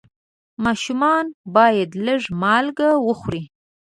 ماشومان باید لږ مالګه وخوري.